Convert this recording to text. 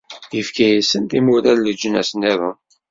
Ifka-asen timura n leǧnas-nniḍen.